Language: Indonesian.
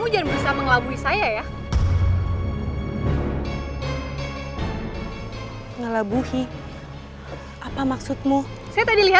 jangan lupa like share dan subscribe ya